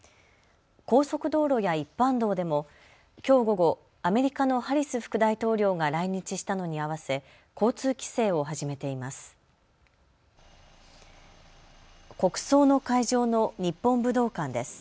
高速道路や一般道でもきょう午後、アメリカのハリス副大統領が来日したのに合わせ交通規制を始めています。